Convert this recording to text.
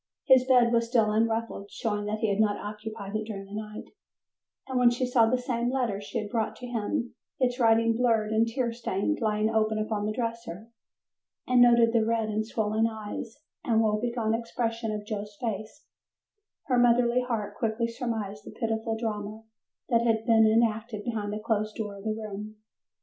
His bed was still unruffled, showing that he had not occupied it during the night, and when she saw the same letter she had brought to him, its writing blurred and tear stained, lying open upon the dresser, and noted the red and swollen eyes and woe begone expression of Joe's face, her motherly heart quickly surmised the pitiful drama that had been enacted behind the closed door of the room.